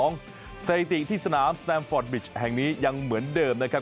ต่อ๒เศรษฐกิจที่สนามแห่งนี้ยังเหมือนเดิมนะครับ